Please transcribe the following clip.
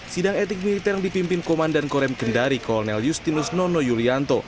sidang etik militer yang dipimpin komandan korem kendari kolonel justinus nono yulianto